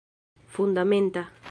fundamenta